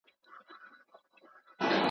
نه مي وېره له برېښنا نه له توپانه.